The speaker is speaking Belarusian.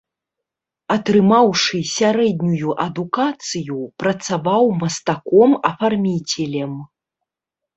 Атрымаўшы сярэднюю адукацыю, працаваў мастаком-афарміцелем.